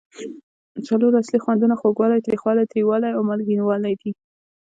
څلور اصلي خوندونه خوږوالی، تریخوالی، تریوالی او مالګینو والی دي.